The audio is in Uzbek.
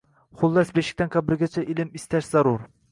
Xullas, beshikdan qabrgacha ilm istash zarur